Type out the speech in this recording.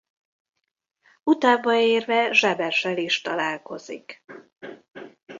Utahba érve Zsebessel is találkozik.